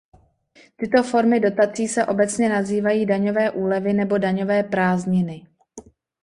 Tyto formy dotací se obecně nazývají daňové úlevy nebo daňové prázdniny.